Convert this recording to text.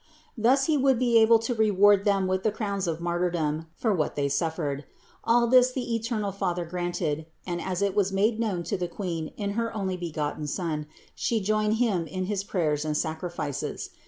Thus He would be able to reward them with the crowns of martyrdom for what they suffered. All this the eternal Father granted, and as it was made known to the Queen in her Onlybegotten Son, She joined Him in his prayers and sacrifices.